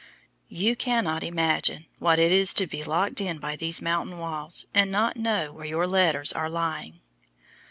You cannot imagine what it is to be locked in by these mountain walls, and not to know where your letters are lying.